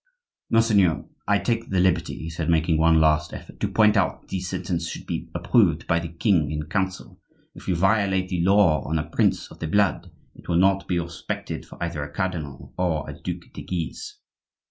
"Monseigneur, I take the liberty," he said, making one last effort, "to point out that the sentence should be approved by the king in council. If you violate the law on a prince of the blood, it will not be respected for either a cardinal or a Duc de Guise."